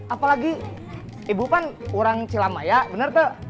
apalagi ibu kan orang cilamaya bener tuh